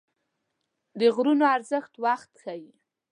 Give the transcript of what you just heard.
د غږونو ارزښت وخت ښيي